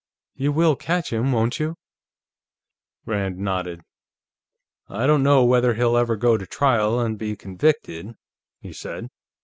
You will catch him, won't you?" Rand nodded. "I don't know whether he'll ever go to trial and be convicted," he said.